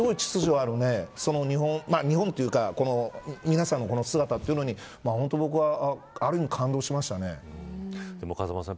本当にすごい秩序のある日本というか皆さんの姿というのに本当に僕はある意味感動しましたね。